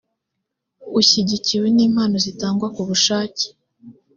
ushyigikiwe n impano zitangwa ku bushake